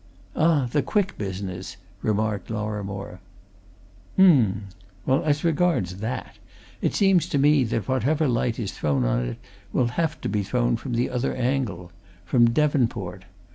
"Ah, the Quick business?" remarked Lorrimore. "Um! well, as regards that, it seems to me that whatever light is thrown on it will have to be thrown from the other angle from Devonport.